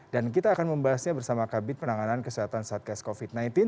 dan kita akan membahasnya bersama kabit penanganan kesehatan saat kas covid sembilan belas